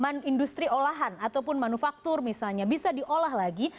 jadi untuk industri olahan ataupun manufaktur misalnya bisa diolah lagi